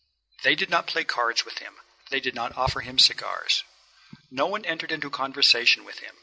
They did not play cards with him, they did not offer him cigars. No one entered into conversation with him.